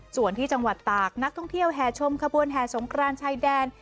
ส่วนที่จังหวัดตากนักท่องเที่ยวแห่ชมขบวนแห่สงครานชายแดน